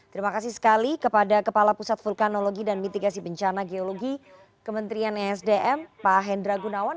terima kasih sekali kepada kepala pusat vulkanologi dan mitigasi bencana geologi kementerian esdm pak hendra gunawan